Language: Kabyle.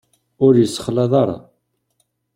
Ur yessexlaḍ ara.